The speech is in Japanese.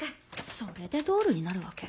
それでドールになるわけ？